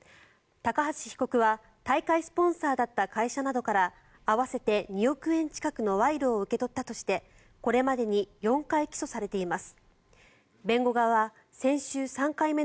高橋被告は大会スポンサーだった会社などから合わせて２億円近くの賄賂を受け取ったとしてこれまでに４回起訴されています。